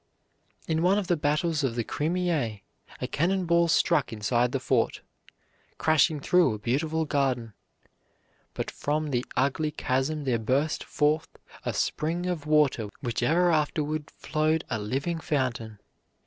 In one of the battles of the Crimea a cannon ball struck inside the fort, crashing through a beautiful garden. But from the ugly chasm there burst forth a spring of water which ever afterward flowed a living fountain.